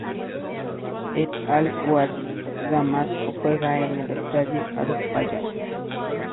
El Al-Wahda Damasco juega en el Estadio Al-Fayhaa.